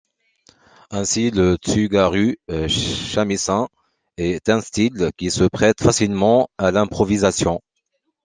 Ainsi le tsugaru shamisen est un style qui se prête facilement à l'improvisation.